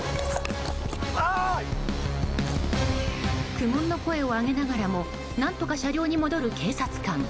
苦悶の声を上げながらも何とか車両に戻る警察官。